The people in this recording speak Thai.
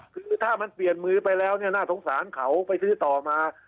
คือถ้ามันเปลี่ยนมือไปแล้วเนี่ยน่าสงสารเขาไปซื้อต่อมา